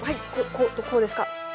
ここうですか？